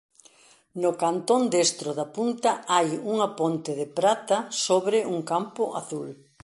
No cantón destro da punta hai unha ponte de prata sobre un campo azul.